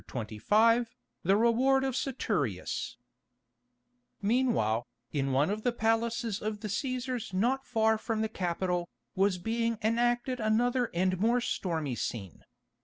CHAPTER XXV THE REWARD OF SATURIUS Meanwhile, in one of the palaces of the Cæsars not far from the Capitol, was being enacted another and more stormy scene.